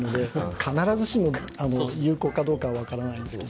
必ずしも有効かどうかは分からないですけど。